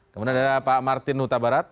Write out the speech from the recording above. kemudian ada pak martin nutabarat